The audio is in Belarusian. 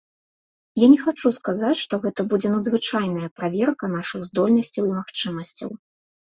Я не хачу сказаць, што гэта будзе надзвычайная праверка нашых здольнасцяў і магчымасцяў.